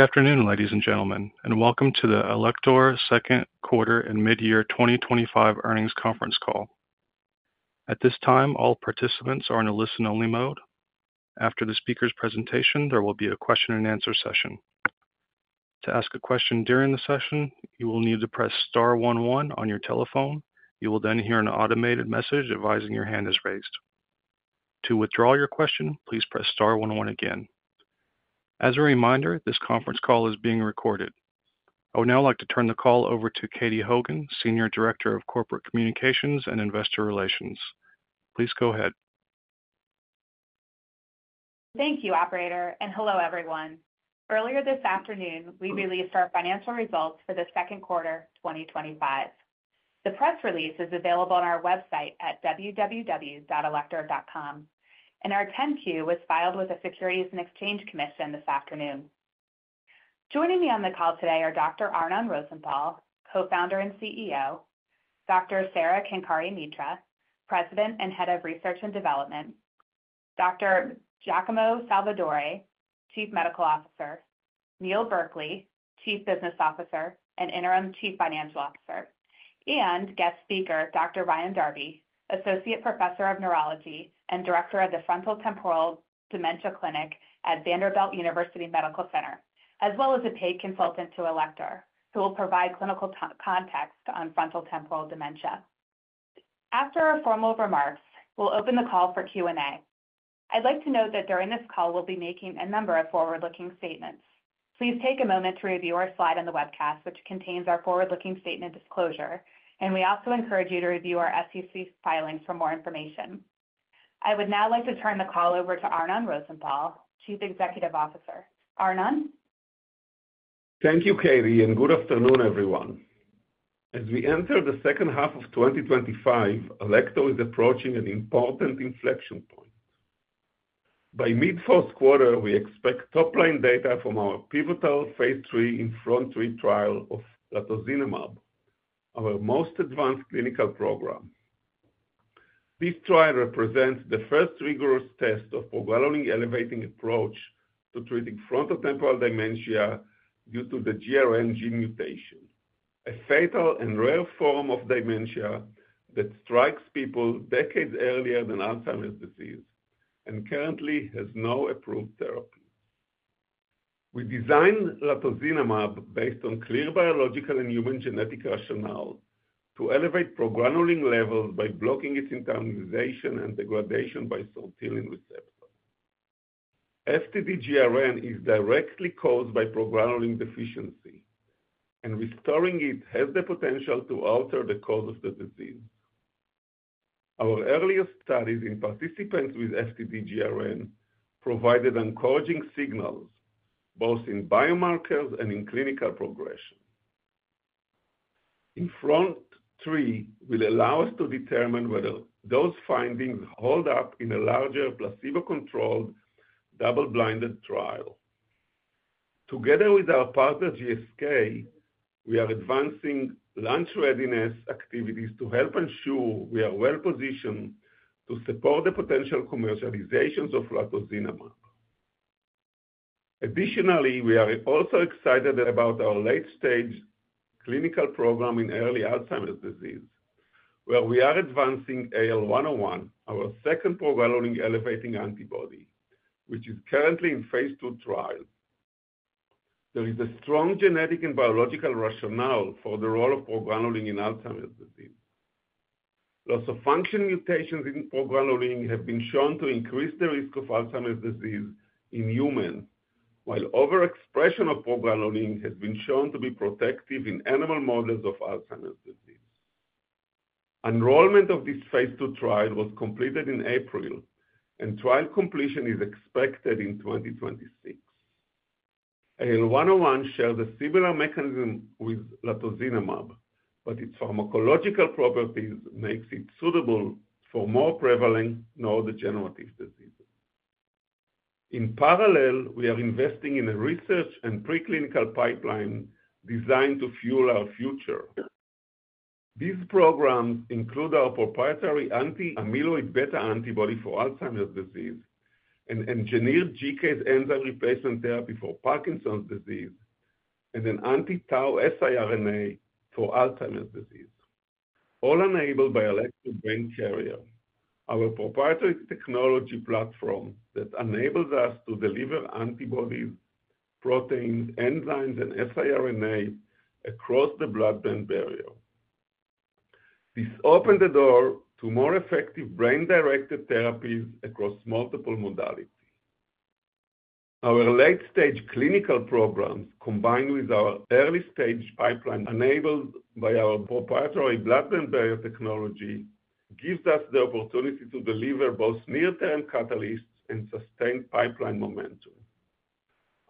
Afternoon, ladies and gentlemen, and welcome to the Alector Second Quarter and Mid-Year 2025 Earnings Conference Call. At this time, all participants are in a listen-only mode. After the speaker's presentation, there will be a question and answer session. To ask a question during the session, you will need to press star one one on your telephone. You will then hear an automated message advising your hand is raised. To withdraw your question, please press star one one again. As a reminder, this conference call is being recorded. I would now like to turn the call over to Katie Hogan, Senior Director of Corporate Communications and Investor Relations. Please go ahead. Thank you, Operator, and hello everyone. Earlier this afternoon, we released our financial results for the second quarter 2025. The press release is available on our website at www.alector.com, and our 10-Q was filed with the Securities and Exchange Commission this afternoon. Joining me on the call today are Dr. Arnon Rosenthal, Co-Founder and CEO, Dr. Sara Kenkare-Mitra, President and Head of Research and Development, Dr. Giacomo Salvadore, Chief Medical Officer, Neil Berkley, Chief Business Officer and Interim Chief Financial Officer, and guest speaker Dr. Ryan Darby, Associate Professor of Neurology and Director of the Frontotemporal Dementia Clinic at Vanderbilt University Medical Center, as well as a paid consultant to Alector, who will provide clinical context on frontotemporal dementia. After our formal remarks, we'll open the call for Q&A. I'd like to note that during this call, we'll be making a number of forward-looking statements. Please take a moment to review our slide in the webcast, which contains our forward-looking statement disclosure, and we also encourage you to review our SEC filings for more information. I would now like to turn the call over to Arnon Rosenthal, Chief Executive Officer. Arnon? Thank you, Katie, and good afternoon, everyone. As we enter the second half of 2025, Alector is approaching an important inflection point. By mid-first quarter, we expect top-line data from our pivotal phase III INFRONT-3 trial of Latozinemab, our most advanced clinical program. This trial represents the first rigorous test of a progranulin-elevating approach to treating frontotemporal dementia due to the GRN gene mutation, a fatal and rare form of dementia that strikes people decades earlier than Alzheimer's disease and currently has no approved therapy. We designed Latozinemab based on clear biological and human genetic rationale to elevate progranulin levels by blocking its internalization and degradation by sortilin receptors. FTD-GRN is directly caused by progranulin deficiency, and restoring it has the potential to alter the course of the disease. Our earlier studies in participants with FTD-GRN provided encouraging signals both in biomarkers and in clinical progression. INFRONT-3 trial will allow us to determine whether those findings hold up in a larger placebo-controlled double-blinded trial. Together with our partner GSK, we are advancing launch readiness activities to help ensure we are well positioned to support the potential commercialization of Latozinemab. Additionally, we are also excited about our late-stage clinical program in early Alzheimer's disease, where we are advancing AL101, our second progranulin-elevating antibody, which is currently in phase II trial. There is a strong genetic and biological rationale for the role of progranulin in Alzheimer's disease. Loss of function mutations in progranulin have been shown to increase the risk of Alzheimer's disease in humans, while overexpression of progranulin has been shown to be protective in animal models of Alzheimer's disease. Enrollment of this phase II trial was completed in April, and trial completion is expected in 2026. AL101 shares a similar mechanism with Latozinemab, but its pharmacological properties make it suitable for more prevalent neurodegenerative diseases. In parallel, we are investing in a research and preclinical pipeline designed to fuel our future. These programs include our proprietary anti-amyloid beta antibody for Alzheimer's disease, an engineered glucocerebrosidase enzyme replacement therapy for Parkinson's disease, and an anti-Tau siRNA for Alzheimer's, all enabled by Alector Brain Carrier, our proprietary technology platform that enables us to deliver antibodies, proteins, enzymes, and siRNA across the blood-brain barrier. This opens the door to more effective brain-directed therapies across multiple modalities. Our late-stage clinical program, combined with our early-stage pipeline enabled by our proprietary blood-brain barrier technology, gives us the opportunity to deliver both near-term catalysts and sustained pipeline momentum.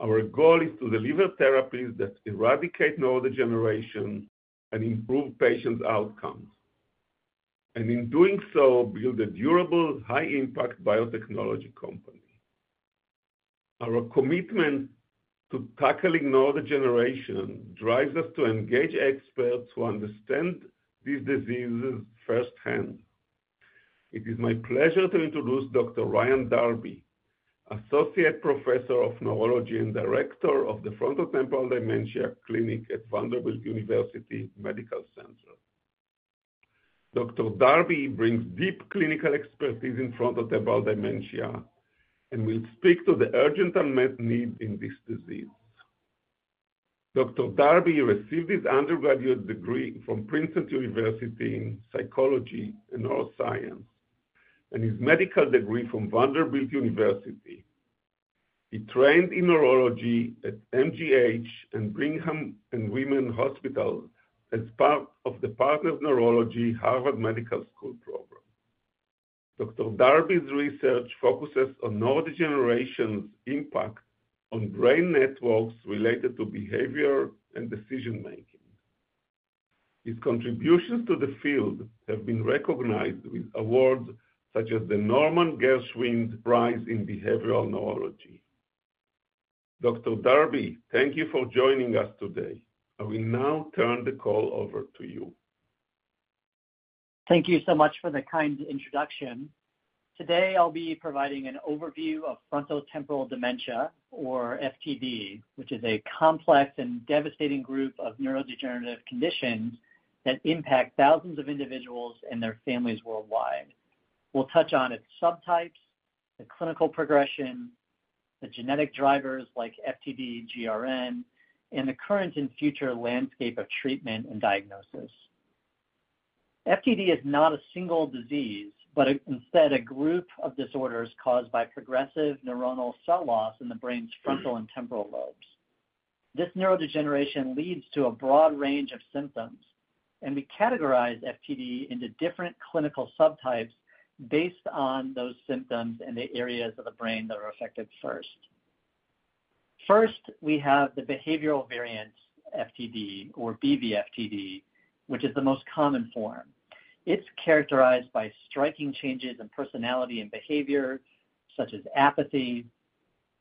Our goal is to deliver therapies that eradicate neurodegeneration and improve patient outcomes, and in doing so, build a durable, high-impact biotechnology company. Our commitment to tackling neurodegeneration drives us to engage experts who understand these diseases firsthand. It is my pleasure to introduce Dr. Ryan Darby, Associate Professor of Neurology and Director of the Frontotemporal Dementia Clinic at Vanderbilt University Medical Center. Dr. Darby brings deep clinical expertise in frontotemporal dementia and will speak to the urgent unmet need in this disease. Dr. Darby received his undergraduate degree from Princeton University in Psychology and Neuroscience and his medical degree from Vanderbilt University. He trained in neurology at MGH and Brigham and Women's Hospital as part of the Partners in Neurology Harvard Medical School program. Dr. Darby's research focuses on neurodegeneration's impact on brain networks related to behavior and decision-making. His contributions to the field have been recognized with awards such as the Norman Geschwind Prize in Behavioral Neurology. Dr. Darby, thank you for joining us today. I will now turn the call over to you. Thank you so much for the kind introduction. Today, I'll be providing an overview of frontotemporal dementia, or FTD, which is a complex and devastating group of neurodegenerative conditions that impact thousands of individuals and their families worldwide. We'll touch on its subtypes, the clinical progression, the genetic drivers like FTD-GRN, and the current and future landscape of treatment and diagnosis. FTD is not a single disease, but instead a group of disorders caused by progressive neuronal cell loss in the brain's frontal and temporal lobes. This neurodegeneration leads to a broad range of symptoms, and we categorize FTD into different clinical subtypes based on those symptoms and the areas of the brain that are affected first. First, we have the behavioral variant FTD, or BVFTD, which is the most common form. It's characterized by striking changes in personality and behavior, such as apathy,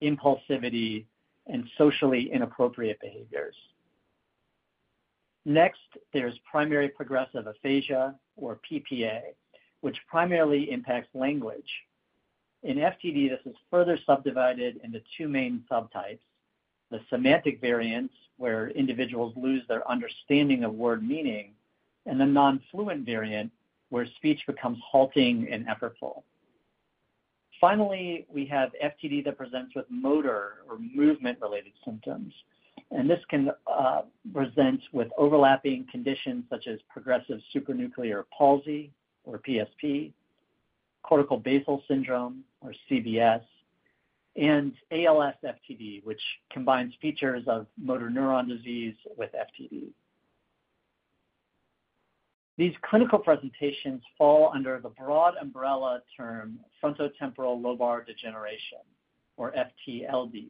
impulsivity, and socially inappropriate behaviors. Next, there's primary progressive aphasia, or PPA, which primarily impacts language. In FTD, this is further subdivided into two main subtypes: the semantic variants, where individuals lose their understanding of word meaning, and the nonfluent variant, where speech becomes halting and effortful. Finally, we have FTD that presents with motor or movement-related symptoms, and this can present with overlapping conditions such as progressive supranuclear palsy, or PSP, corticobasal syndrome, or CBS, and ALS FTD, which combines features of motor neuron disease with FTD. These clinical presentations fall under the broad umbrella term frontotemporal lobar degeneration, or FTLD,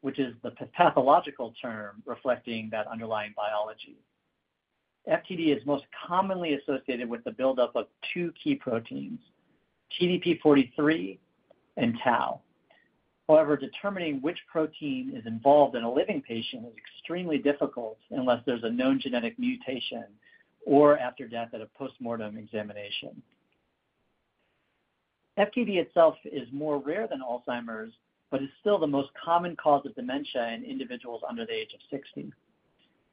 which is the pathological term reflecting that underlying biology. FTD is most commonly associated with the buildup of two key proteins, TDP-43 and Tau. However, determining which protein is involved in a living patient is extremely difficult unless there's a known genetic mutation or after death at a postmortem examination. FTD itself is more rare than Alzheimer's, but is still the most common cause of dementia in individuals under the age of 60.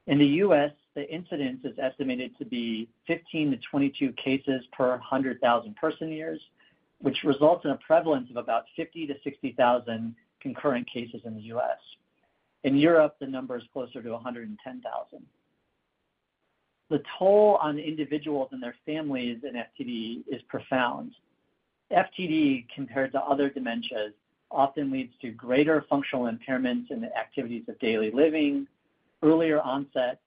In the U.S., the incidence is estimated to be 15-22 cases per 100,000 person-years, which results in a prevalence of about 50,000-60,000 concurrent cases in the U.S. In Europe, the number is closer to 110,000. The toll on individuals and their families in FTD is profound. FTD, compared to other dementias, often leads to greater functional impairments in the activities of daily living, earlier onset,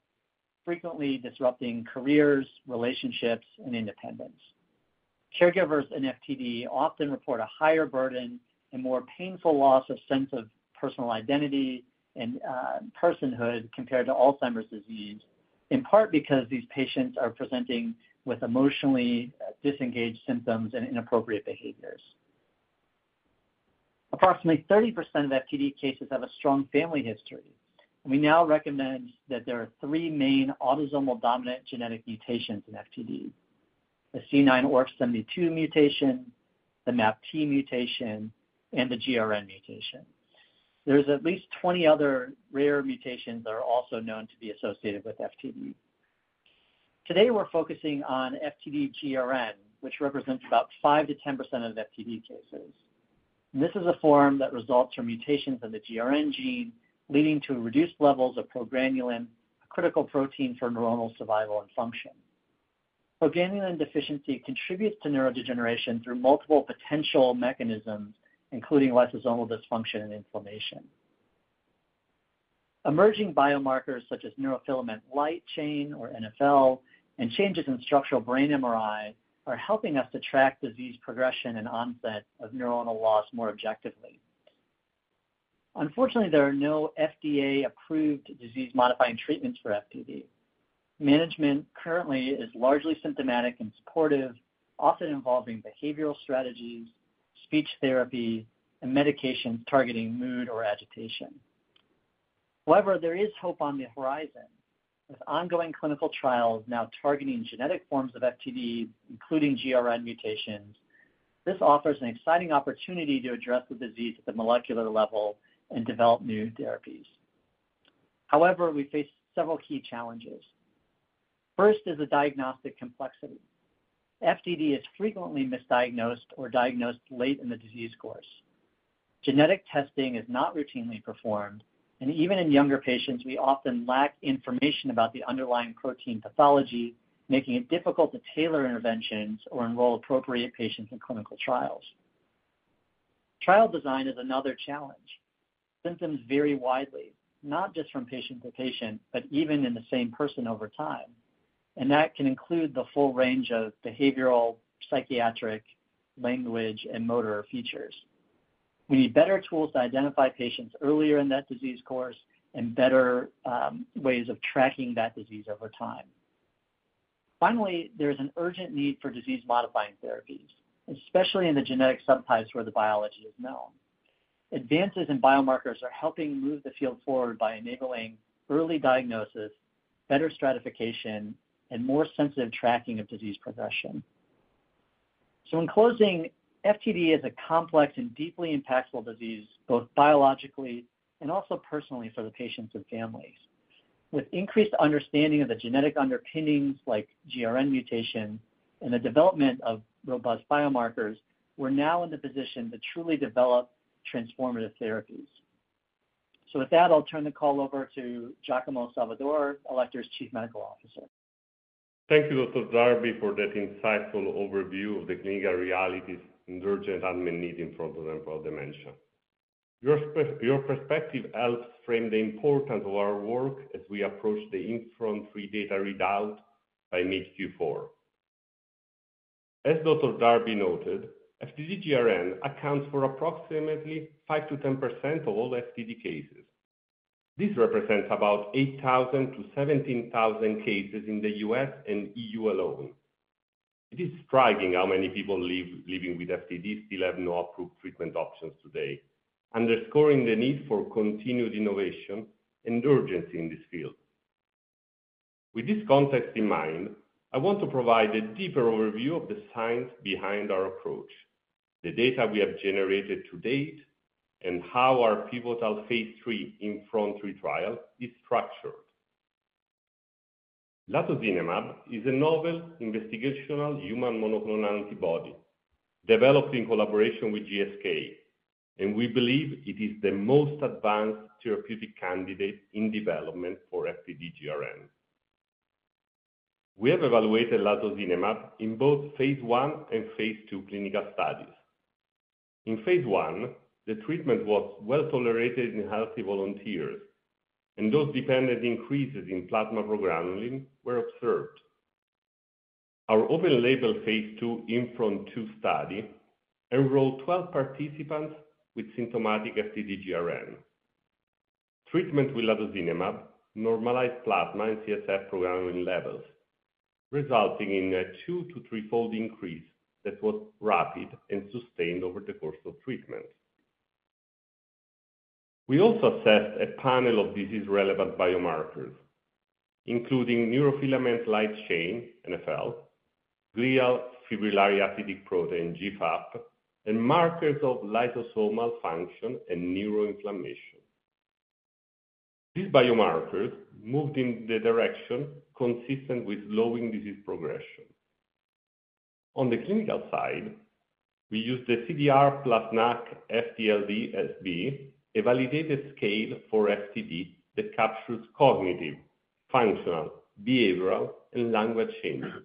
frequently disrupting careers, relationships, and independence. Caregivers in FTD often report a higher burden and more painful loss of sense of personal identity and personhood compared to Alzheimer's disease, in part because these patients are presenting with emotionally disengaged symptoms and inappropriate behaviors. Approximately 30% of FTD cases have a strong family history, and we now recommend that there are three main autosomal dominant genetic mutations in FTD: the C9orf72 mutation, the MAPT mutation, and the GRN mutation. There's at least 20 other rare mutations that are also known to be associated with FTD. Today, we're focusing on FTD-GRN, which represents about 5%-10% of FTD cases. This is a form that results from mutations in the GRN gene, leading to reduced levels of progranulin, a critical protein for neuronal survival and function. Progranulin deficiency contributes to neurodegeneration through multiple potential mechanisms, including lysosomal dysfunction and inflammation. Emerging biomarkers such as neurofilament light chain, or NFL, and changes in structural brain MRI are helping us to track disease progression and onset of neuronal loss more objectively. Unfortunately, there are no FDA-approved disease-modifying treatments for FTD. Management currently is largely symptomatic and supportive, often involving behavioral strategies, speech therapy, and medications targeting mood or agitation. However, there is hope on the horizon. With ongoing clinical trials now targeting genetic forms of FTD, including GRN mutations, this offers an exciting opportunity to address the disease at the molecular level and develop new therapies. However, we face several key challenges. First is the diagnostic complexity. FTD is frequently misdiagnosed or diagnosed late in the disease course. Genetic testing is not routinely performed, and even in younger patients, we often lack information about the underlying protein pathology, making it difficult to tailor interventions or enroll appropriate patients in clinical trials. Trial design is another challenge. Symptoms vary widely, not just from patient to patient, but even in the same person over time, and that can include the full range of behavioral, psychiatric, language, and motor features. We need better tools to identify patients earlier in that disease course and better ways of tracking that disease over time. Finally, there is an urgent need for disease-modifying therapies, especially in the genetic subtypes where the biology is known. Advances in biomarkers are helping move the field forward by enabling early diagnosis, better stratification, and more sensitive tracking of disease progression. In closing, FTD is a complex and deeply impactful disease, both biologically and also personally for the patients and families. With increased understanding of the genetic underpinnings, like GRN mutation, and the development of robust biomarkers, we're now in the position to truly develop transformative therapies. With that, I'll turn the call over to Giacomo Salvadore, Alector's Chief Medical Officer. Thank you, Dr. Darby, for that insightful overview of the clinical realities and urgent unmet need in frontotemporal dementia. Your perspective helps frame the importance of our work as we approach the INFRONT-3 data readout by mid-Q4. As Dr. Darby noted, FTD-GRN accounts for approximately 5%-10% of all FTD cases. This represents about 8,000 to 17,000 cases in the U.S. and EU alone. It is striking how many people living with FTD still have no approved treatment options today, underscoring the need for continued innovation and urgency in this field. With this concept in mind, I want to provide a deeper overview of the science behind our approach, the data we have generated to date, and how our pivotal phase III INFRONT-3 trial is structured. Latozinemab is a novel investigational human monoclonal antibody developed in collaboration with GSK, and we believe it is the most advanced therapeutic candidate in development for FTD-GRN. We have evaluated Latozinemab in both phase I and phase II clinical studies. In phase I, the treatment was well tolerated in healthy volunteers, and dose-dependent increases in plasma progranulin were observed. Our open-label phase II INFRONT-2 study enrolled 12 participants with symptomatic FTD-GRN. Treatment with Latozinemab normalized plasma and CSF progranulin levels, resulting in a two to three-fold increase that was rapid and sustained over the course of treatment. We also assessed a panel of disease-relevant biomarkers, including neurofilament light chain, NFL, glial fibrillary acidic protein, GFAP, and markers of lysosomal function and neuroinflammation. These biomarkers moved in the direction consistent with slowing disease progression. On the clinical side, we used the CDR plus NACC FTLD-SB, a validated scale for FTD that captures cognitive, functional, behavioral, and language changes.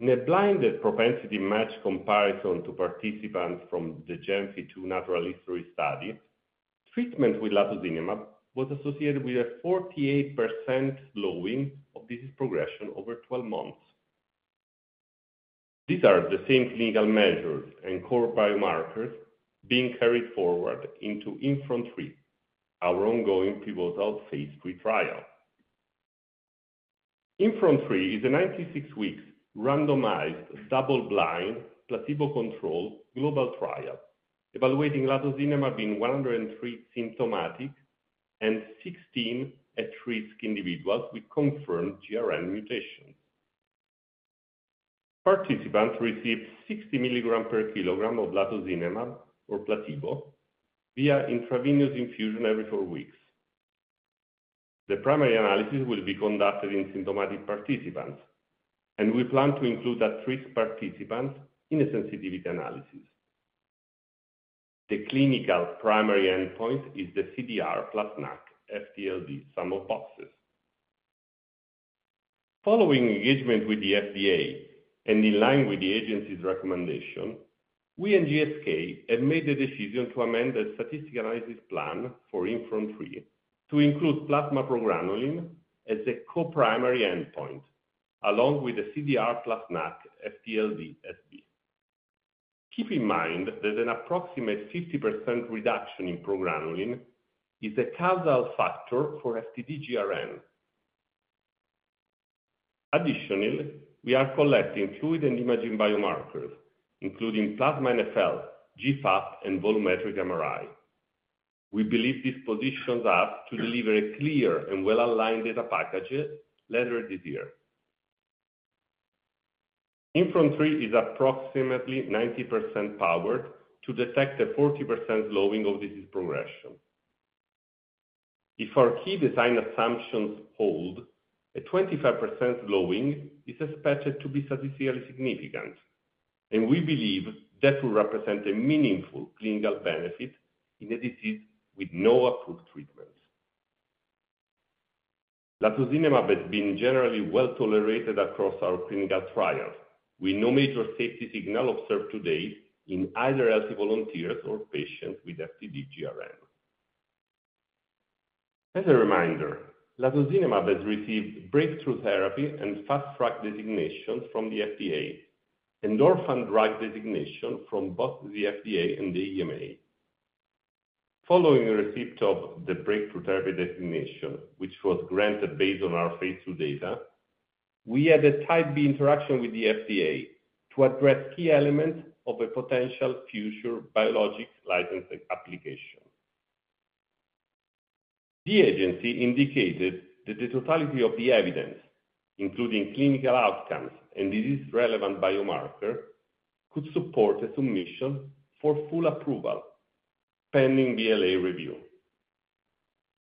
In a blinded propensity match comparison to participants from the GENFI2 Natural History Study, treatment with Latozinemab was associated with a 48% slowing of disease progression over 12 months. These are the same clinical measures and core biomarkers being carried forward into INFRONT-3, our ongoing pivotal phase III trial. INFRONT-3 is a 96-week randomized double-blind placebo-controlled global trial evaluating Latozinemab in 103 symptomatic and 16 at-risk individuals with confirmed GRN mutations. Participants receive 60 milligrams per kg of Latozinemab or placebo via intravenous infusion every four weeks. The primary analysis will be conducted in symptomatic participants, and we plan to include at-risk participants in a sensitivity analysis. The clinical primary endpoint is the CDR plus NACC FTLD-SB. Following engagement with the FDA and in line with the agency's recommendation, we and GSK have made the decision to amend the statistical analysis plan for INFRONT-3 to include plasma progranulin as a co-primary endpoint, along with the CDR plus NACC FTLD-SB. Keep in mind that an approximate 50% reduction in progranulin is a causal factor for FTD-GRN. Additionally, we are collecting fluid and imaging biomarkers, including plasma NFL, GFAP, and volumetric MRI. We believe this positions us to deliver a clear and well-aligned data package later this year. INFRONT-3 is approximately 90% powered to detect a 40% slowing of disease progression. If our key design assumptions hold, a 25% slowing is expected to be statistically significant, and we believe that will represent a meaningful clinical benefit in a disease with no approved treatments. Latozinemab has been generally well tolerated across our clinical trials, with no major safety signal observed to date in either healthy volunteers or patients with FTD-GRN. As a reminder, Latozinemab has received breakthrough therapy and fast track designations from the FDA, and orphan drug designation from both the FDA and the EMA. Following the receipt of the breakthrough therapy designation, which was granted based on our phase 2 data, we had a Type B interaction with the FDA to address key elements of a potential future Biologics License Application. The agency indicated that the totality of the evidence, including clinical outcomes and disease-relevant biomarkers, could support a submission for full approval pending BLA review.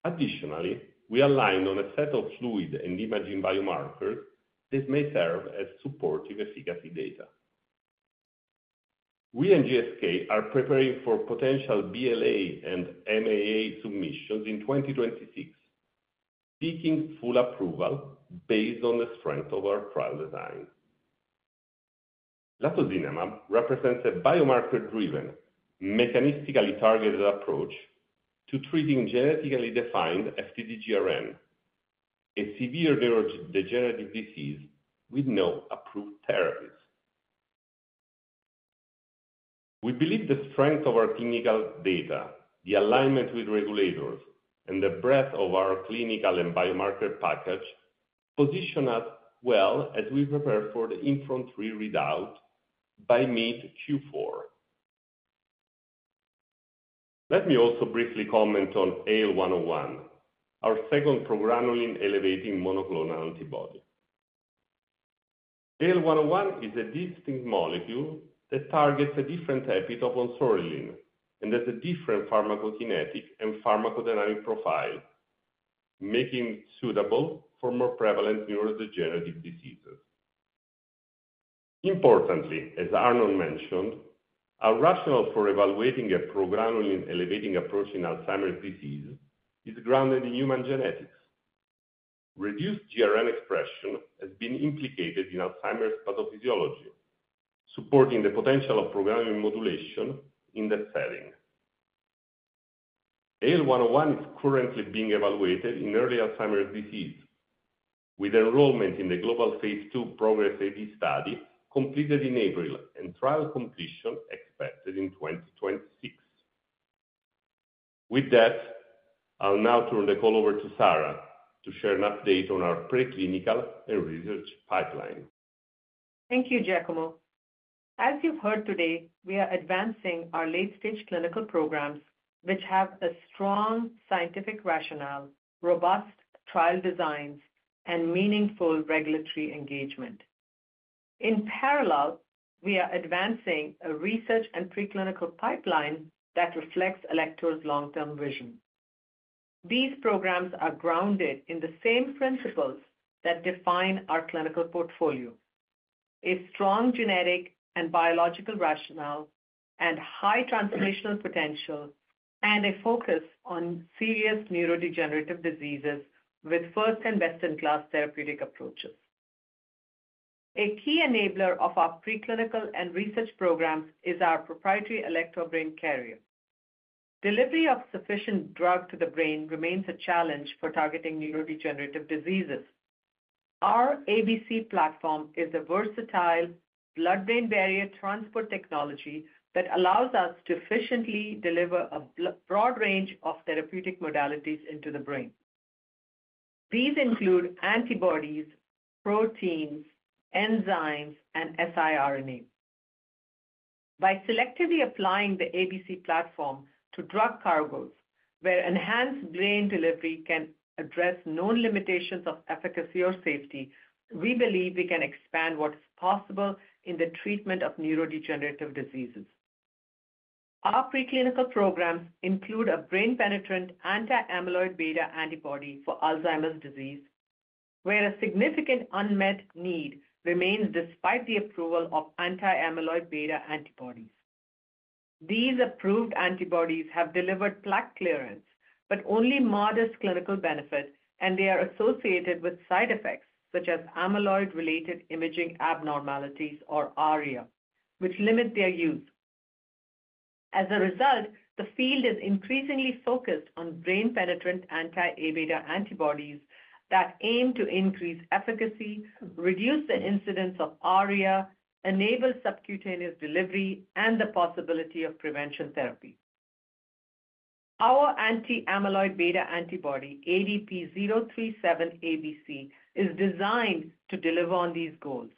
Additionally, we aligned on a set of fluid and imaging biomarkers that may serve as supportive efficacy data. We and GSK are preparing for potential BLA and MAA submissions in 2026, seeking full approval based on the strength of our trial design. Latozinemab represents a biomarker-driven, mechanistically targeted approach to treating genetically defined FTD-GRN, a severe neurodegenerative disease with no approved therapies. We believe the strength of our clinical data, the alignment with regulators, and the breadth of our clinical and biomarker package position us well as we prepare for the INFRONT-3 readout by mid-Q4. Let me also briefly comment on AL101, our second progranulin-elevating monoclonal antibody. AL101 is a distinct molecule that targets a different epitope on progranulin and has a different pharmacokinetic and pharmacodynamic profile, making it suitable for more prevalent neurodegenerative diseases. Importantly, as Arnon mentioned, our rationale for evaluating a progranulin-elevating approach in Alzheimer's disease is grounded in human genetics. Reduced GRN expression has been implicated in Alzheimer's pathophysiology, supporting the potential of progranulin modulation in that setting. AL101 is currently being evaluated in early Alzheimer's disease, with enrollment in the global phase II PROGRESS-AD study completed in April and trial completion expected in 2026. With that, I'll now turn the call over to Sara to share an update on our preclinical and research pipeline. Thank you, Giacomo. As you've heard today, we are advancing our late-stage clinical programs, which have a strong scientific rationale, robust trial designs, and meaningful regulatory engagement. In parallel, we are advancing a research and preclinical pipeline that reflects Alector's long-term vision. These programs are grounded in the same principles that define our clinical portfolio: a strong genetic and biological rationale, high translational potential, and a focus on serious neurodegenerative diseases with first and best-in-class therapeutic approaches. A key enabler of our preclinical and research programs is our proprietary Alector Brain Carrier. Delivery of sufficient drugs to the brain remains a challenge for targeting neurodegenerative diseases. Our ABC platform is a versatile blood-brain barrier transport technology that allows us to efficiently deliver a broad range of therapeutic modalities into the brain. These include antibodies, proteins, enzymes, and siRNA. By selectively applying the ABC platform to drug cargoes where enhanced brain delivery can address known limitations of efficacy or safety, we believe we can expand what is possible in the treatment of neurodegenerative diseases. Our preclinical programs include a brain-penetrant anti-amyloid beta antibody for Alzheimer's disease, where a significant unmet need remains despite the approval of anti-amyloid beta antibodies. These approved antibodies have delivered plaque clearance, but only modest clinical benefit, and they are associated with side effects such as amyloid-related imaging abnormalities or ARIA, which limit their use. As a result, the field is increasingly focused on brain-penetrant anti-amyloid beta antibodies that aim to increase efficacy, reduce the incidence of ARIA, enable subcutaneous delivery, and the possibility of prevention therapy. Our anti-amyloid beta antibody, ADP-037ABC, is designed to deliver on these goals.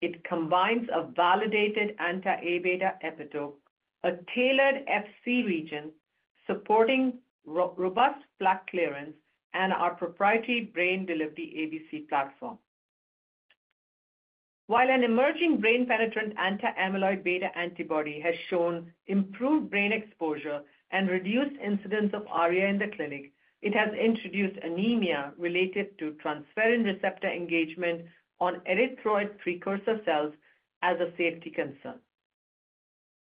It combines a validated anti-amyloid beta epitope, a tailored FC region supporting robust plaque clearance, and our proprietary brain-delivery ABC platform. While an emerging brain-penetrant anti-amyloid beta antibody has shown improved brain exposure and reduced incidence of ARIA in the clinic, it has introduced anemia related to transferrin receptor engagement on erythroid precursor cells as a safety concern.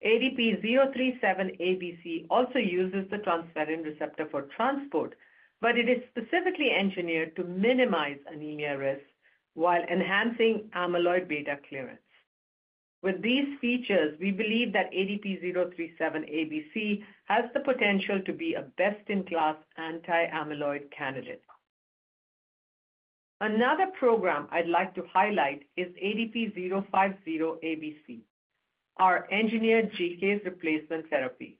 ADP-037ABC also uses the transferrin receptor for transport, but it is specifically engineered to minimize anemia risk while enhancing amyloid beta clearance. With these features, we believe that ADP-037ABC has the potential to be a best-in-class anti-amyloid candidate. Another program I'd like to highlight is ADP-050ABC, our engineered GKase replacement therapy.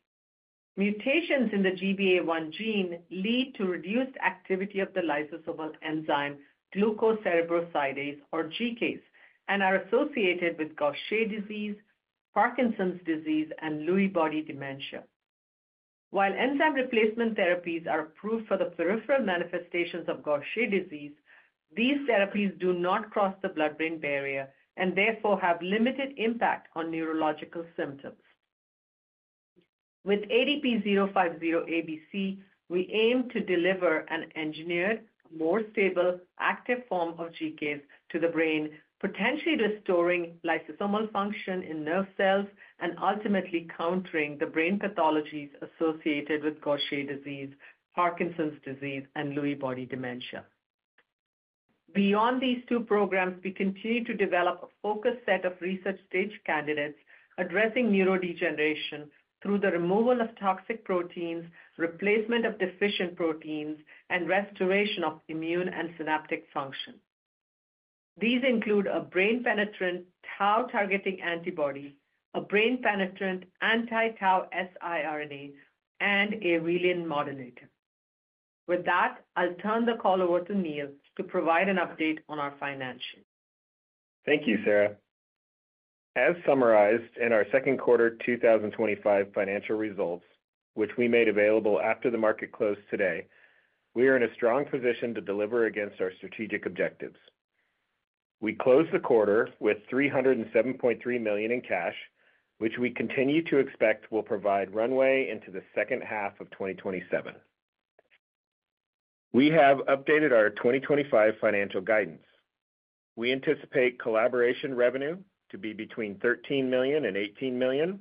Mutations in the GBA1 gene lead to reduced activity of the lysosomal enzyme glucocerebrosidase, or GKase, and are associated with Gaucher disease, Parkinson's disease, and Lewy body dementia. While enzyme replacement therapies are approved for the peripheral manifestations of Gaucher disease, these therapies do not cross the blood-brain barrier and therefore have limited impact on neurological symptoms. With ADP-050ABC, we aim to deliver an engineered, more stable, active form of GKase to the brain, potentially restoring lysosomal function in nerve cells and ultimately countering the brain pathologies associated with Gaucher disease, Parkinson's disease, and Lewy body dementia. Beyond these two programs, we continue to develop a focused set of research-stage candidates addressing neurodegeneration through the removal of toxic proteins, replacement of deficient proteins, and restoration of immune and synaptic function. These include a brain-penetrant Tau-targeting antibody, a brain-penetrant anti-Tau siRNA, and a reliant modulator. With that, I'll turn the call over to Neil to provide an update on our financials. Thank you, Sara. As summarized in our second quarter 2025 financial results, which we made available after the market closed today, we are in a strong position to deliver against our strategic objectives. We closed the quarter with $307.3 million in cash, which we continue to expect will provide runway into the second half of 2027. We have updated our 2025 financial guidance. We anticipate collaboration revenue to be between $13 million and $18 million,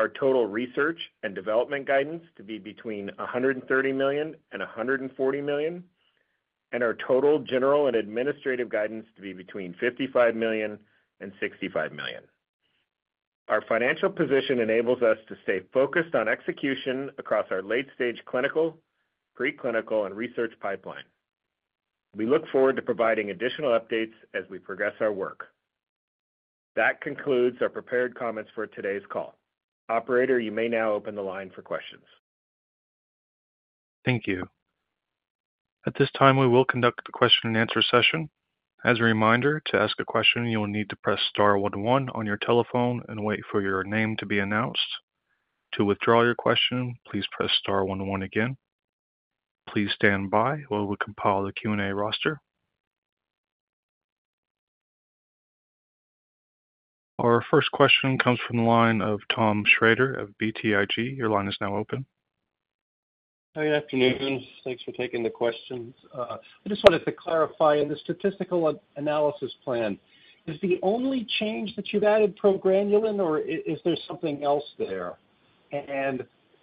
our total research and development guidance to be between $130 million and $140 million, and our total general and administrative guidance to be between $55 million and $65 million. Our financial position enables us to stay focused on execution across our late-stage clinical, preclinical, and research pipeline. We look forward to providing additional updates as we progress our work. That concludes our prepared comments for today's call. Operator, you may now open the line for questions. Thank you. At this time, we will conduct the question and answer session. As a reminder, to ask a question, you will need to press star one one on your telephone and wait for your name to be announced. To withdraw your question, please press star one one again. Please stand by while we compile the Q&A roster. Our first question comes from the line of Tom Schrader of BTIG. Your line is now open. Good afternoon. Thanks for taking the questions. I just wanted to clarify, in the statistical analysis plan, is the only change that you've added progranulin, or is there something else there?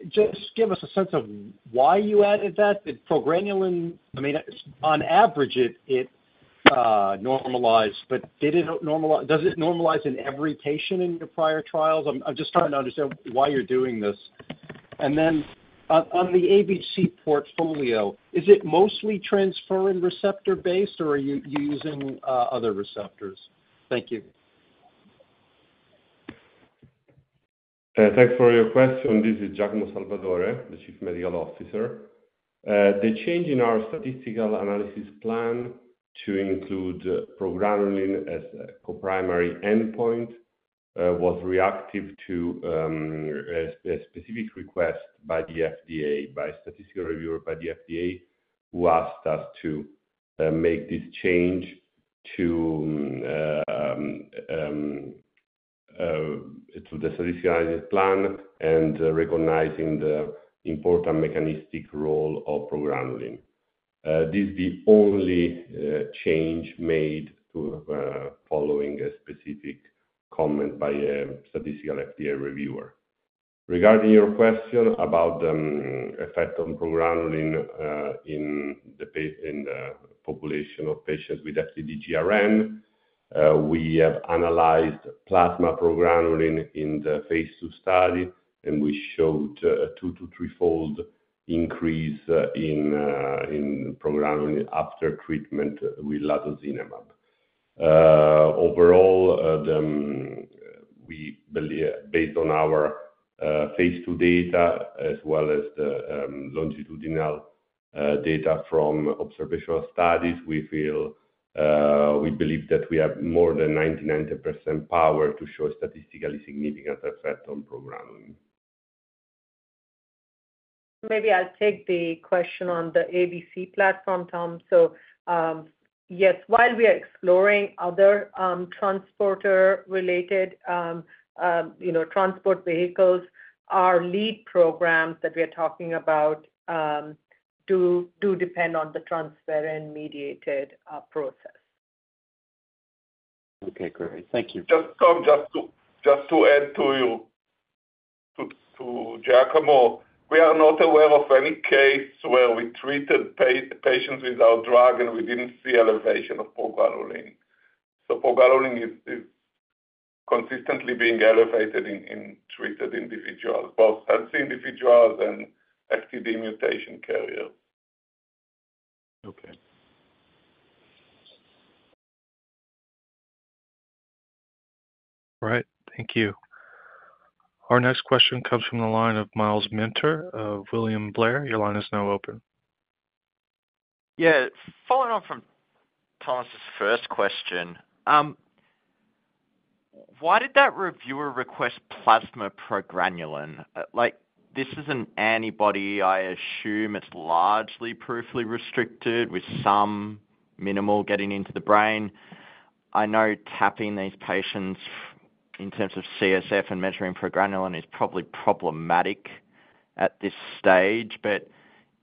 Just give us a sense of why you added that. The progranulin, I mean, on average, it normalized, but did it normalize? Does it normalize in every patient in your prior trials? I'm just trying to understand why you're doing this. On the ABC portfolio, is it mostly transferrin receptor-based, or are you using other receptors? Thank you. Thanks for your question. This is Giacomo Salvadore, the Chief Medical Officer. The change in our statistical analysis plan to include progranulin as a co-primary endpoint was reactive to a specific request by the FDA, by a statistical reviewer by the FDA, who asked us to make this change to the statistical analysis plan, recognizing the important mechanistic role of progranulin. This is the only change made following a specific comment by a statistical FDA reviewer. Regarding your question about the effect on progranulin in the population of patients with FTD-GRN, we have analyzed plasma progranulin in the phase II study, and we showed a two to three-fold increase in progranulin after treatment with Latozinemab. Overall, we believe, based on our phase II data as well as the longitudinal data from observational studies, we believe that we have more than 99% power to show statistically significant effect on progranulin. Maybe I'll take the question on the ABC platform, Tom. Yes, while we are exploring other transporter-related transport vehicles, our lead programs that we are talking about do depend on the transferrin-mediated process. Okay, great. Thank you. Just to add to Giacomo, we are not aware of any case where we treated patients with our drug and we didn't see elevation of progranulin. The progranulin is consistently being elevated in treated individuals, both healthy individuals and FTD mutation carriers. Okay. All right. Thank you. Our next question comes from the line of Miles Minter of William Blair. Your line is now open. Yeah. Following on from Thomas's first question, why did that reviewer request plasma progranulin? Like, this is an antibody, I assume it's largely peripherally restricted with some minimal getting into the brain. I know tapping these patients in terms of CSF and measuring progranulin is probably problematic at this stage, but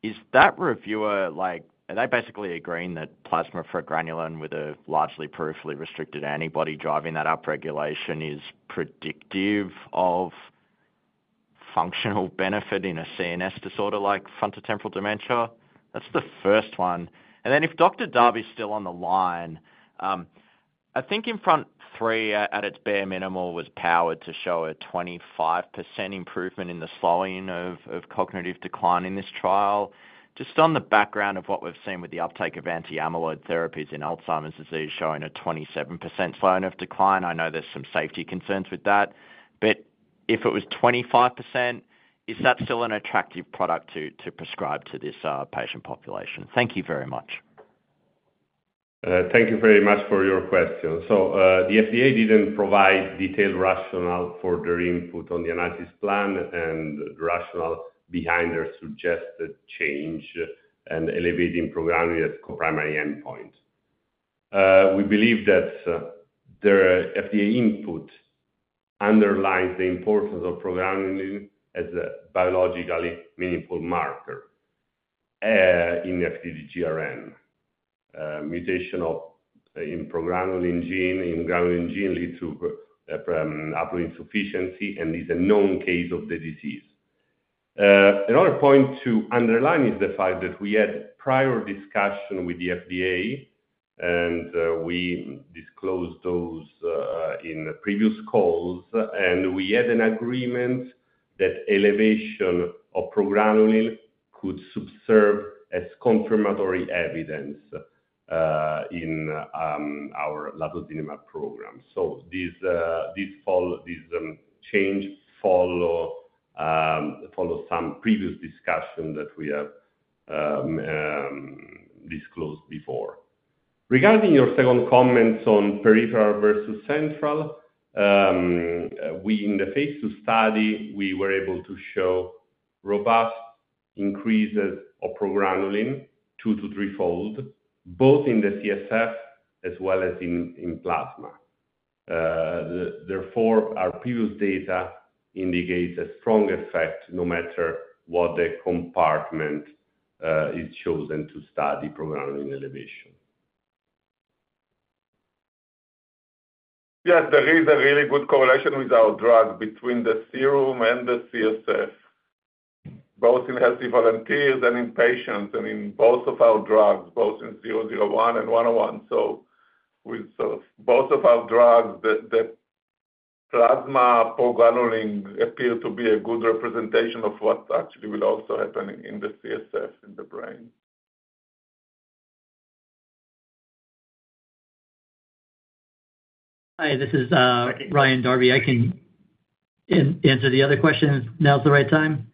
is that reviewer, like, are they basically agreeing that plasma progranulin with a largely peripherally restricted antibody driving that upregulation is predictive of functional benefit in a CNS disorder like frontotemporal dementia? That's the first one. If Dr. Darby's still on the line, I think INFRONT-3 at its bare minimum was powered to show a 25% improvement in the slowing of cognitive decline in this trial, just on the background of what we've seen with the uptake of anti-amyloid therapies in Alzheimer's disease showing a 27% slowing of decline. I know there's some safety concerns with that, but if it was 25%, is that still an attractive product to prescribe to this patient population? Thank you very much. Thank you very much for your question. The FDA didn't provide detailed rationale for their input on the analysis plan and the rationale behind their suggested change and elevating progranulin as a primary endpoint. We believe that their FDA input underlines the importance of progranulin as a biologically meaningful marker in FTD-GRN. Mutation in the progranulin gene leads to haploinsufficiency and is a known cause of the disease. Another point to underline is the fact that we had prior discussion with the FDA, and we disclosed those in previous calls, and we had an agreement that elevation of progranulin could serve as confirmatory evidence in our Latozinemab program. This change follows some previous discussion that we have disclosed before. Regarding your second comments on peripheral versus central, in the phase II study, we were able to show robust increases of progranulin two to three-fold, both in the CSF as well as in plasma. Therefore, our previous data indicates a strong effect no matter what the compartment is chosen to study progranulin elevation. Yes, there is a really good correlation with our drug between the serum and the CSF, both in healthy volunteers and in patients, and in both of our drugs, both in 001 and 101. With both of our drugs, the plasma progranulin appeared to be a good representation of what actually will also happen in the CSF in the brain. Hi, this is Dr. Ryan Darby. I can answer the other question now at the right time?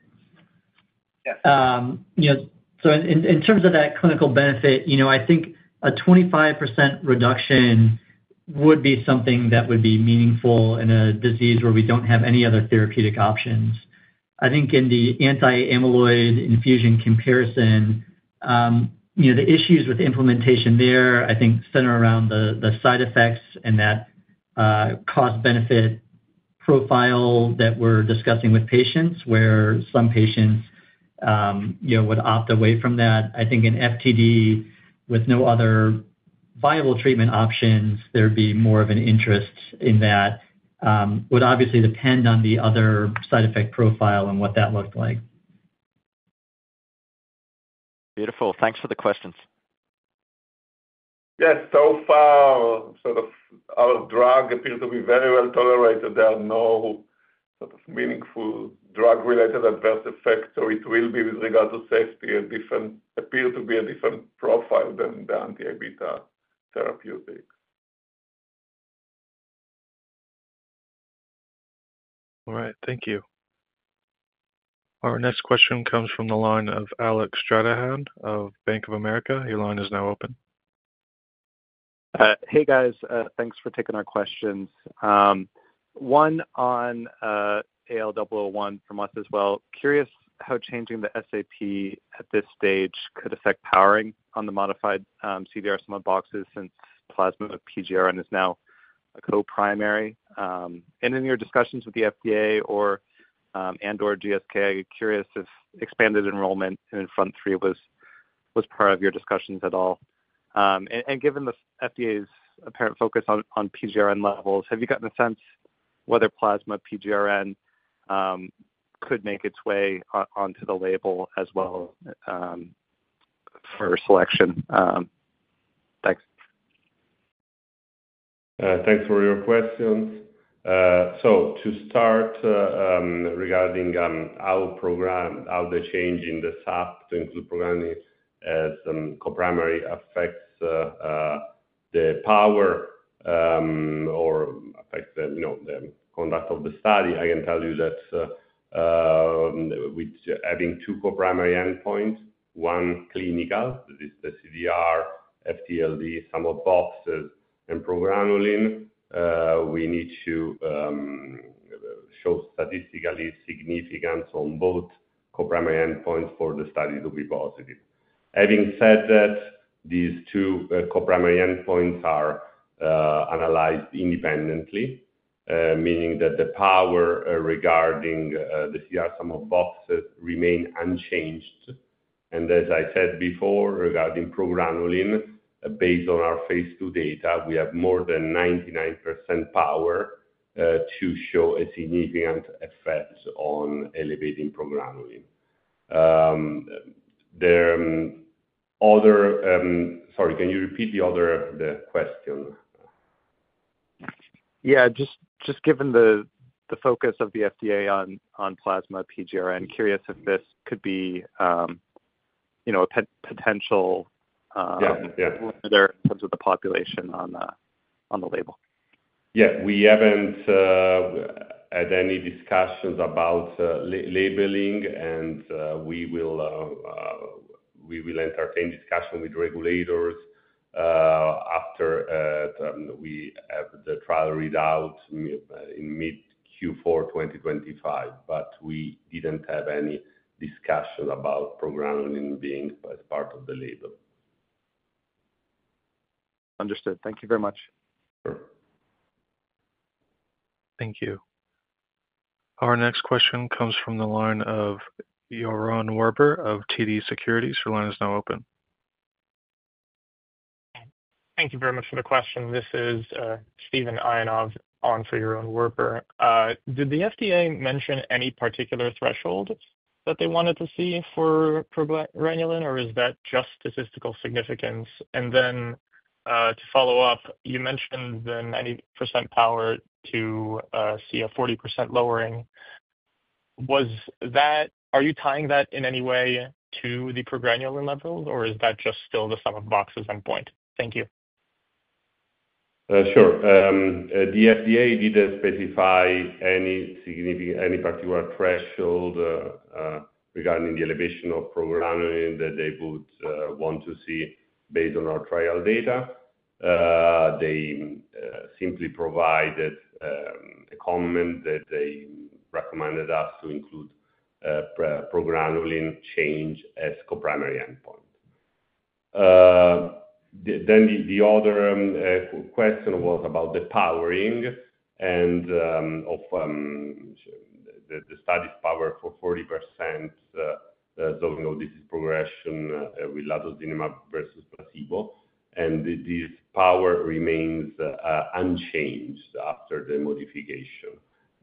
Yeah. In terms of that clinical benefit, I think a 25% reduction would be something that would be meaningful in a disease where we don't have any other therapeutic options. I think in the anti-amyloid infusion comparison, the issues with implementation there center around the side effects and that cost-benefit profile that we're discussing with patients, where some patients would opt away from that. I think in FTD, with no other viable treatment options, there'd be more of an interest in that. It would obviously depend on the other side effect profile and what that looked like. Beautiful. Thanks for the questions. Yeah, so far, sort of our drug appears to be very well tolerated. There are no meaningful drug-related adverse effects, so it will be with regard to safety and appears to be a different profile than the anti beta therapeutic. All right. Thank you. Our next question comes from the line of Alec Stranahan of Bank of America. Your line is now open. Hey, guys. Thanks for taking our questions. One on AL001 from us as well. Curious how changing the SAP at this stage could affect powering on the modified CDR sum of boxes since plasma progranulin is now a co-primary. In your discussions with the FDA and/or GSK, I'm curious if expanded enrollment in INFRONT-3 was part of your discussions at all. Given the FDA's apparent focus on PGRN levels, have you gotten a sense whether plasma PGRN could make its way onto the label as well for selection? Thanks. Thanks for your questions. To start regarding our program, how the change in the SAP to include progranulin as a co-primary affects the power or affects the conduct of the study, I can tell you that with having two co-primary endpoints, one clinical, this is the CDR-FTLD sum of boxes, and progranulin, we need to show statistical significance on both co-primary endpoints for the study to be positive. Having said that, these two co-primary endpoints are analyzed independently, meaning that the power regarding the CDR-FTLD sum of boxes remains unchanged. As I said before, regarding progranulin, based on our phase II data, we have more than 99% power to show a significant effect on elevating progranulin. Sorry, can you repeat the other question? Yeah, just given the focus of the FDA on plasma progranulin, curious if this could be a potential. Yeah, yeah. Whether it comes with the population on the label. Yeah, we haven't had any discussions about labeling, and we will entertain discussion with regulators after we have the trial readout in mid-Q4 2025, but we didn't have any discussion about progranulin being as part of the label. Understood. Thank you very much. Thank you. Our next question comes from the line of Joran Werber of TD Securities. Your line is now open. Thank you very much for the question. This is Steven Ionov on for Joran Werber. Did the FDA mention any particular threshold that they wanted to see for progranulin, or is that just statistical significance? To follow up, you mentioned the 90% power to see a 40% lowering. Are you tying that in any way to the progranulin levels, or is that just still the co-primary endpoint? Thank you. Sure. The FDA didn't specify any particular threshold regarding the elevation of progranulin that they would want to see based on our trial data. They simply provided a comment that they recommended us to include progranulin change as a co-primary endpoint. The other question was about the powering, and the study's power for 40% the neuro disease progression with Latozinemab versus placebo, and this power remains unchanged after the modification.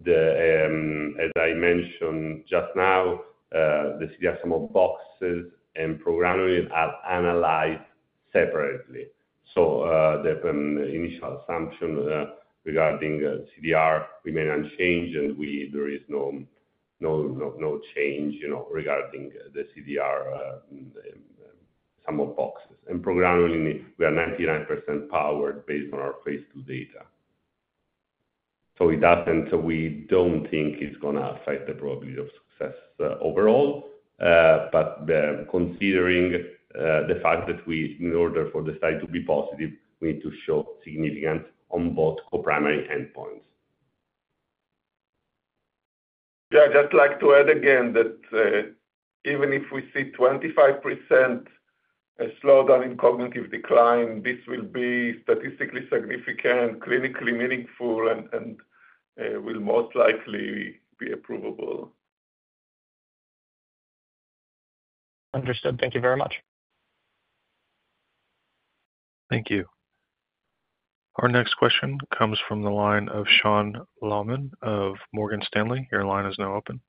As I mentioned just now, the CDR sum of boxes and progranulin are analyzed separately. The initial assumption regarding CDR remains unchanged, and there is no change regarding the CDR sum of boxes. For programmatically, we are 99% powered based on our phase II data. We don't think it's going to affect the probability of success overall, but considering the fact that in order for the study to be positive, we need to show significance on both co-primary endpoints. I'd just like to add again that even if we see 25% slowdown in cognitive decline, this will be statistically significant, clinically meaningful, and will most likely be approvable. Understood. Thank you very much. Thank you. Our next question comes from the line of Sean Lahman of Morgan Stanley. Your line is now open.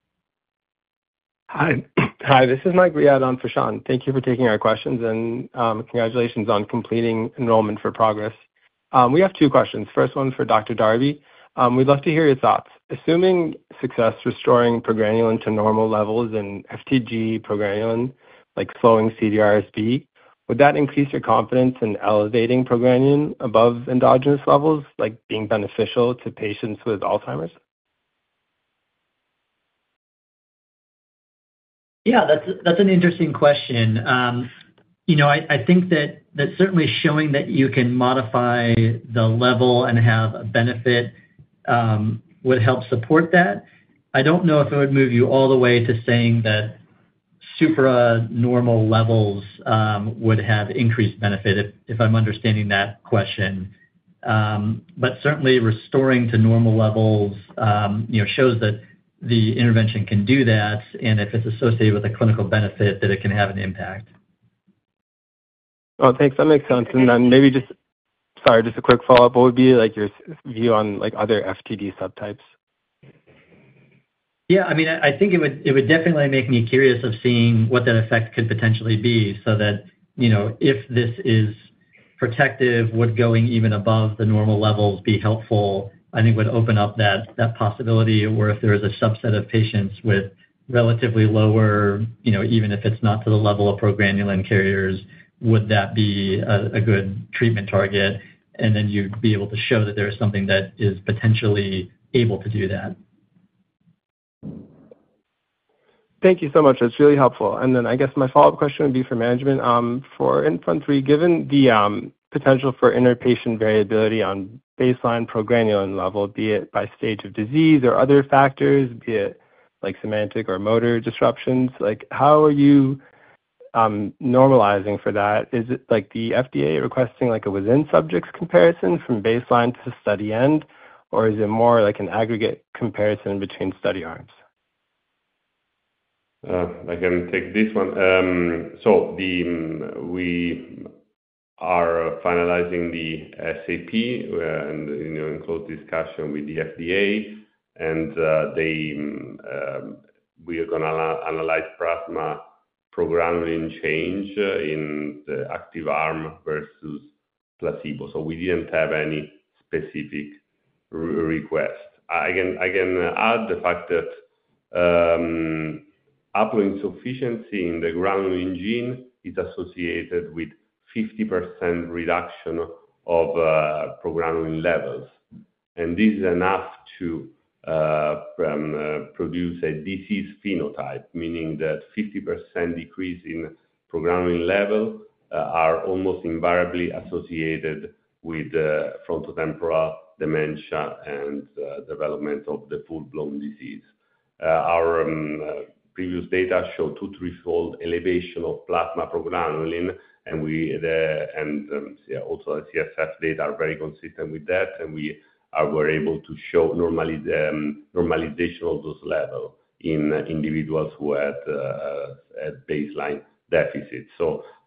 Hi, this is Mike Riad on for Sean. Thank you for taking our questions and congratulations on completing enrollment for progress. We have two questions. First one's for Dr. Darby. We'd love to hear your thoughts. Assuming success restoring progranulin to normal levels in FTD-GRN, like slowing CDRSB, would that increase your confidence in elevating progranulin above endogenous levels, like being beneficial to patients with Alzheimer's? Yeah, that's an interesting question. I think that certainly showing that you can modify the level and have a benefit would help support that. I don't know if it would move you all the way to saying that supranormal levels would have increased benefit, if I'm understanding that question. Certainly, restoring to normal levels shows that the intervention can do that, and if it's associated with a clinical benefit, that it can have an impact. Oh, thanks. That makes sense. Maybe just, sorry, just a quick follow-up. What would be like your view on other FTD subtypes? Yeah, I mean, I think it would definitely make me curious of seeing what that effect could potentially be, so that, you know, if this is protective, would going even above the normal level be helpful? I think it would open up that possibility, or if there is a subset of patients with relatively lower, you know, even if it's not to the level of progranulin carriers, would that be a good treatment target? You'd be able to show that there's something that is potentially able to do that. Thank you so much. That's really helpful. I guess my follow-up question would be for management for INFRONT-3. Given the potential for inter-patient variability on baseline progranulin level, be it by stage of disease or other factors, like semantic or motor disruptions, how are you normalizing for that? Is it like the FDA requesting a within-subjects comparison from baseline to study end, or is it more like an aggregate comparison between study arms? I can take this one. We are finalizing the SAP and in close discussion with the FDA, and we are going to analyze plasma progranulin change in the active arm versus placebo. We didn't have any specific request. I can add the fact that haploinsufficiency in the granulin gene is associated with a 50% reduction of progranulin levels. This is enough to produce a disease phenotype, meaning that a 50% decrease in progranulin level is almost invariably associated with frontotemporal dementia and the development of the full-blown disease. Our previous data showed two to three-fold elevation of plasma progranulin, and also the CSF data are very consistent with that, and we were able to show normalization of those levels in individuals who had baseline deficits.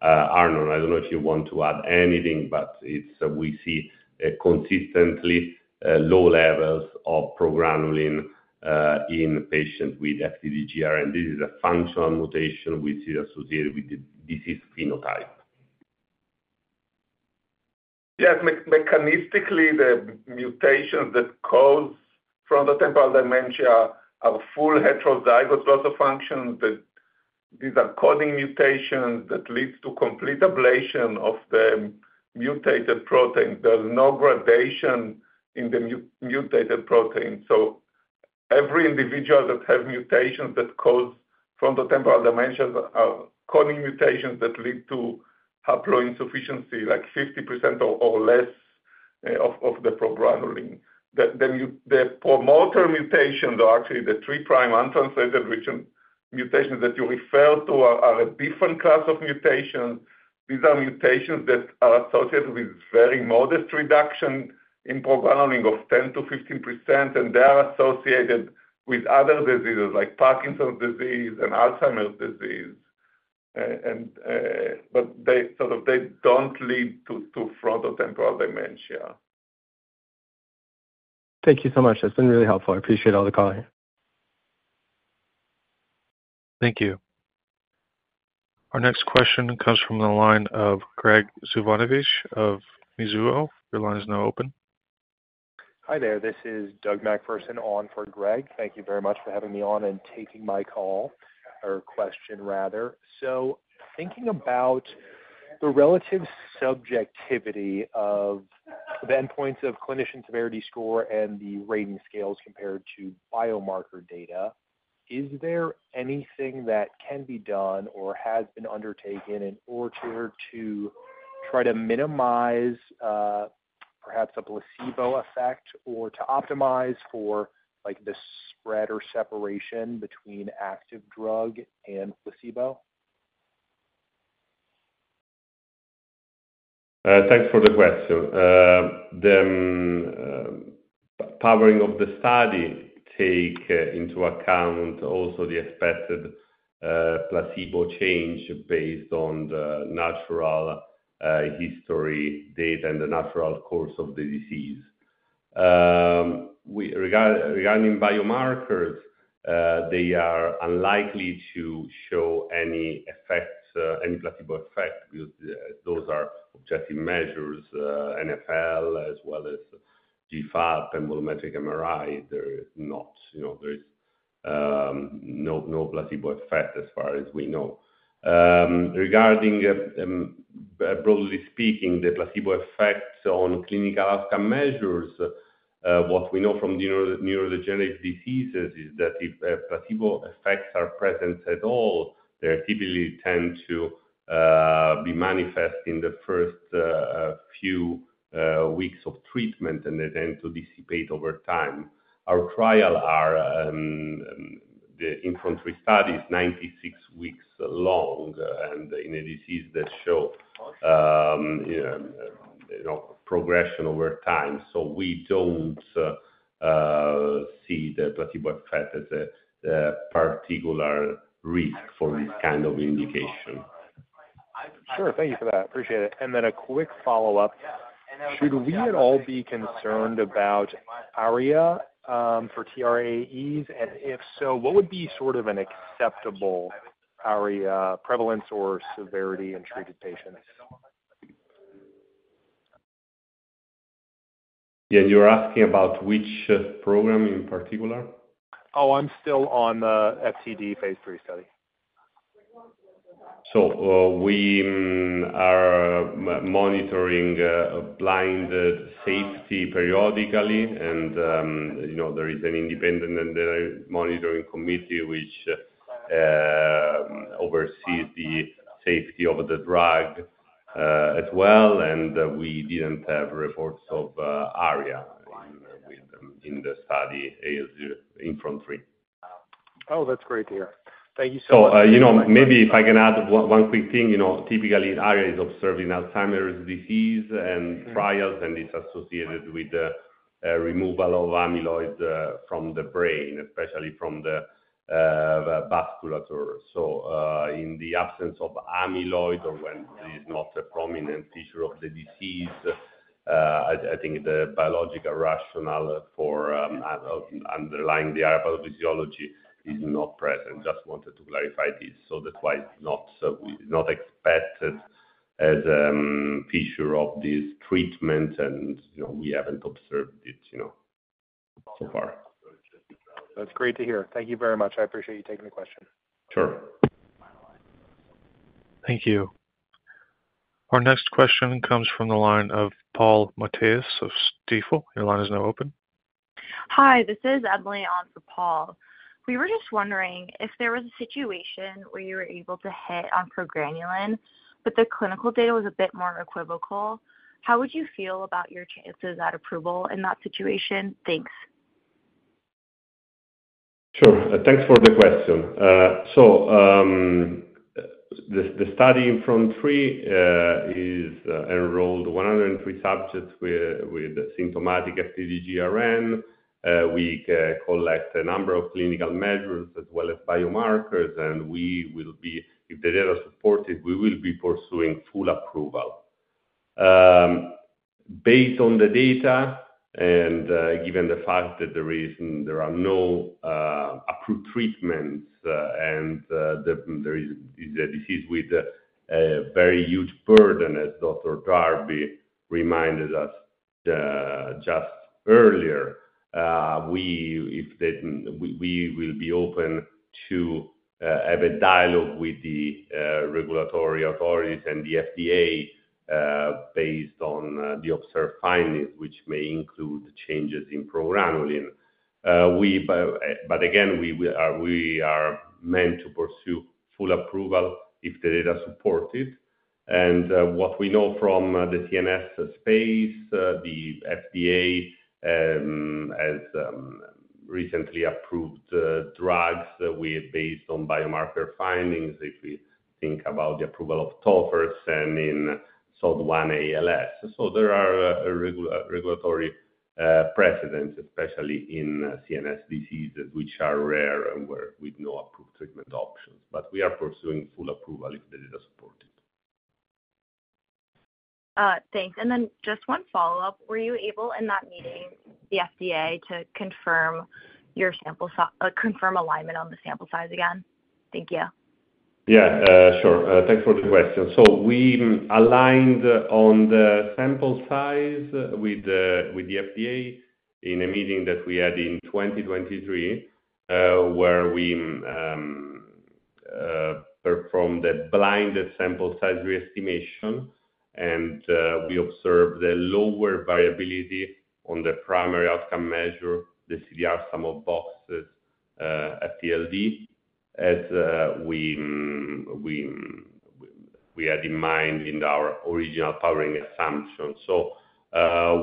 Arnon, I don't know if you want to add anything, but we see consistently low levels of progranulin in patients with FTD-GRN. This is a functional mutation which is associated with the disease phenotype. Mechanistically, the mutations that cause frontotemporal dementia have a full heterozygous loss of function. These are coding mutations that lead to complete ablation of the mutated protein. There's no gradation in the mutated protein. Every individual that has mutations that cause frontotemporal dementia are coding mutations that lead to haploinsufficiency, like 50% or less of the progranulin. The promoter mutations, or actually the three prime untranslated mutations that you refer to, are a different class of mutation. These are mutations that are associated with very modest reduction in progranulin of 10%-15%, and they are associated with other diseases like Parkinson's disease and Alzheimer's disease, but they don't lead to frontotemporal dementia. Thank you so much. That's been really helpful. I appreciate all the calling. Thank you. Our next question comes from the line of Greg Zubanovic of Mizuho. Your line is now open. Hi there. This is Doug McPherson on for Greg. Thank you very much for having me on and taking my call, or question rather. Thinking about the relative subjectivity of the endpoints of clinician severity score and the rating scales compared to biomarker data, is there anything that can be done or has been undertaken in order to try to minimize perhaps a placebo effect or to optimize for the spread or separation between active drug and placebo? Thanks for the question. The powering of the study takes into account also the expected placebo change based on the natural history data and the natural course of the disease. Regarding biomarkers, they are unlikely to show any effects, any placebo effect, because those are objective measures, NFL as well as GFAP and volumetric MRI. There is no placebo effect as far as we know. Regarding, broadly speaking, the placebo effects on clinical outcome measures, what we know from neurodegenerative diseases is that if placebo effects are present at all, they typically tend to be manifest in the first few weeks of treatment, and they tend to dissipate over time. Our INFRONT-3 study is 96 weeks long and in a disease that shows progression over time, so we don't see the placebo effect as a particular risk for this kind of indication. Sure. Thank you for that. Appreciate it. A quick follow-up. Should we at all be concerned about ARIA for TRAEs? If so, what would be sort of an acceptable ARIA prevalence or severity in treated patients? Yeah, you're asking about which program in particular? I'm still on the FTD phase III study. We are monitoring blinded safety periodically, and there is an independent monitoring committee which oversees the safety of the drug as well, and we didn't have reports of ARIA in the study INFRONT-3. Oh, that's great to hear. Thank you so much. Maybe if I can add one quick thing, typically ARIA is observed in Alzheimer's disease and trials, and it's associated with the removal of amyloid from the brain, especially from the vasculature. In the absence of amyloid or when it is not a prominent tissue of the disease, I think the biological rationale for underlying the pathophysiology is not present. I just wanted to clarify this. That's why it's not expected as a feature of this treatment, and we haven't observed it so far. That's great to hear. Thank you very much. I appreciate you taking the question. Thank you. Our next question comes from the line of Paul Matheus of Stifel. Your line is now open. Hi, this is Emily on for Paul. We were just wondering if there was a situation where you were able to hit on progranulin, but the clinical data was a bit more equivocal. How would you feel about your chances at approval in that situation? Thanks. Sure. Thanks for the question. The study INFRONT-3 enrolled 103 subjects with symptomatic FTD-GRN. We collect a number of clinical measures as well as biomarkers, and we will be, if the data support it, pursuing full approval. Based on the data and given the fact that there are no approved treatments and this is a disease with a very huge burden, as Dr. Darby reminded us just earlier, we will be open to have a dialogue with the regulatory authorities and the FDA based on the observed findings, which may include changes in progranulin. Again, we are meant to pursue full approval if the data support it. What we know from the CNS space is the FDA has recently approved drugs based on biomarker findings. If we think about the approval of tofersen and in SOD1 ALS, there are regulatory precedents, especially in CNS disease, which are rare and with no approved treatment options. We are pursuing full approval if the data support it. Thanks. Just one follow-up. Were you able in that meeting, the FDA, to confirm alignment on the sample size again? Thank you. Yeah, sure. Thanks for the question. We aligned on the sample size with the FDA in a meeting that we had in 2023 where we performed a blinded sample size re-estimation, and we observed a lower variability on the primary outcome measure, the CDR sum of boxes, FTLD, as we had in mind in our original powering assumption.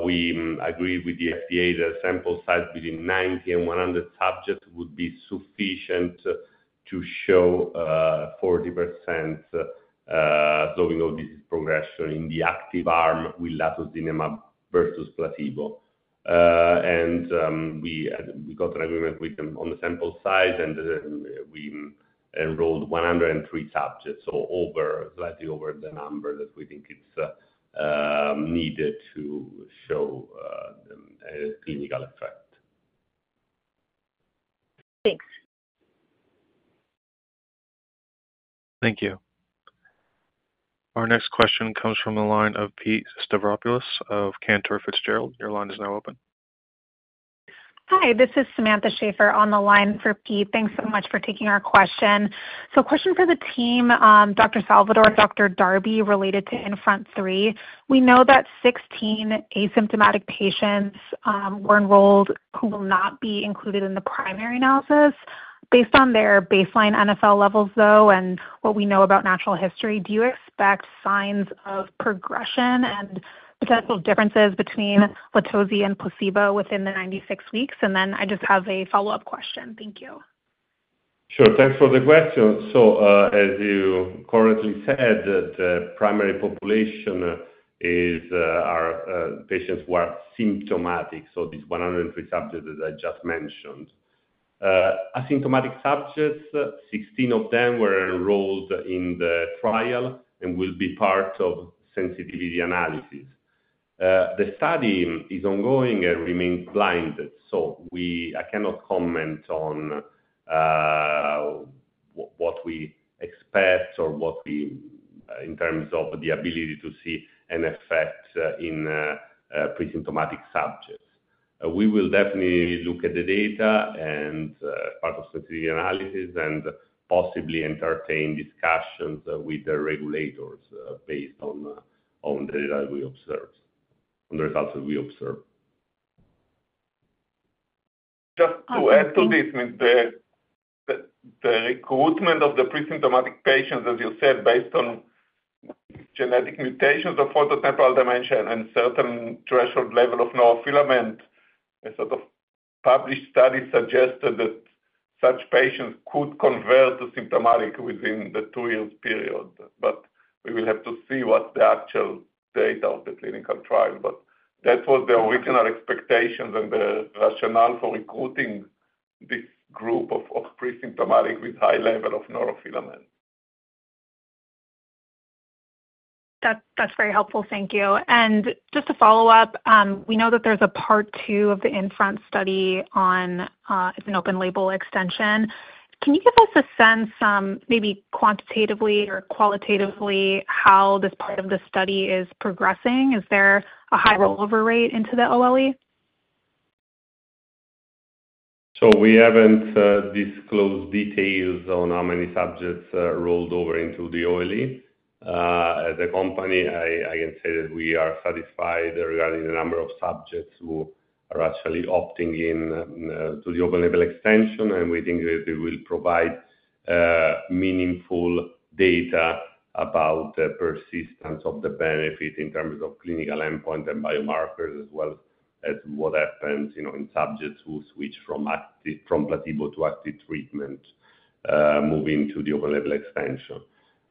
We agreed with the FDA that a sample size between 90 and 100 subjects would be sufficient to show 40% slowing of disease progression in the active arm with Latozinemab versus placebo. We got an agreement with them on the sample size, and we enrolled 103 subjects, so slightly over the number that we think is needed to show a clinical effect. Thanks. Thank you. Our next question comes from the line of Pete Stavropoulos of Cantor Fitzgerald. Your line is now open. Hi, this is Samantha Schafer on the line for Pete. Thanks so much for taking our question. A question for the team, Dr. Salvadore and Dr. Darby, related to INFRONT-3. We know that 16 asymptomatic patients were enrolled who will not be included in the primary analysis. Based on their baseline NFL levels, though, and what we know about natural history, do you expect signs of progression and potential differences between Latozinemab and placebo within the 96 weeks? I just have a follow-up question. Thank you. Sure. Thanks for the question. As you correctly said, the primary population are patients who are symptomatic. These 103 subjects that I just mentioned. Asymptomatic subjects, 16 of them were enrolled in the trial and will be part of sensitivity analysis. The study is ongoing and remains blinded, so I cannot comment on what we expect or what we in terms of the ability to see an effect in presymptomatic subjects. We will definitely look at the data as part of sensitivity analysis and possibly entertain discussions with the regulators based on the data that we observe, on the results that we observe. Just to add to this, I mean, the recruitment of the presymptomatic patients, as you said, based on genetic mutations of frontotemporal dementia and certain threshold level of neurofilament, a set of published studies suggested that such patients could convert to symptomatic within the two-year period. We will have to see what's the actual data of the clinical trial. That was the original expectations and the rationale for recruiting this group of presymptomatic with high level of neurofilament. That's very helpful. Thank you. Just to follow up, we know that there's a part two of the INFRONT-3 study on an open label extension. Can you give us a sense, maybe quantitatively or qualitatively, how this part of the study is progressing? Is there a high rollover rate into the OLE? We haven't disclosed details on how many subjects rolled over into the OLE. As a company, I can say that we are satisfied regarding the number of subjects who are actually opting in to the open label extension, and we think that it will provide meaningful data about the persistence of the benefit in terms of clinical endpoint and biomarkers, as well as what happens in subjects who switch from placebo to active treatment, moving to the open label extension.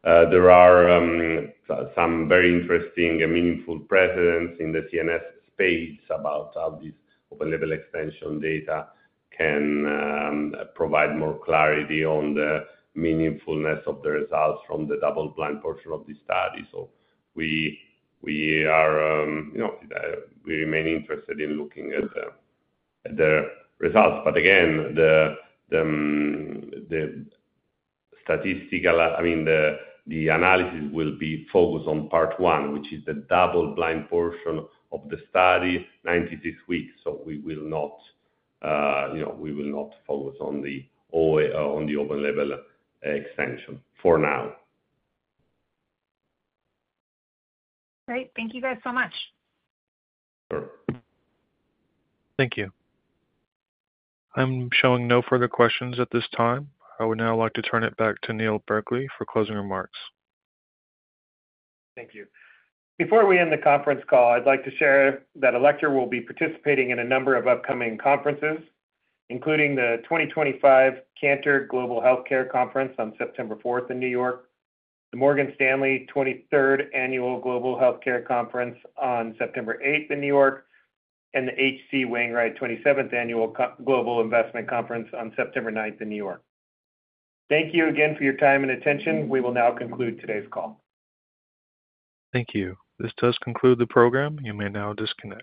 There are some very interesting and meaningful precedents in the CNS space about how this open label extension data can provide more clarity on the meaningfulness of the results from the double-blind portion of the study. We remain interested in looking at the results. Again, the analysis will be focused on part one, which is the double-blind portion of the study, 96 weeks. We will not focus on the open label extension for now. Great. Thank you guys so much. Thank you. I'm showing no further questions at this time. I would now like to turn it back to Neil Berkley for closing remarks. Thank you. Before we end the conference call, I'd like to share that Alector will be participating in a number of upcoming conferences, including the 2025 Cantor Global Healthcare Conference on September 4th in New York, the Morgan Stanley 23rd Annual Global Healthcare Conference on September 8th in New York, and the HC Wainwright 27th Annual Global Investment Conference on September 9th in New York. Thank you again for your time and attention. We will now conclude today's call. Thank you. This does conclude the program. You may now disconnect.